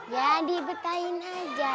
ya dibetain aja